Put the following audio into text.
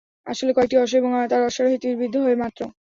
আসলে কয়েকটি অশ্ব এবং তার আরোহী তীর বিদ্ধ হয় মাত্র।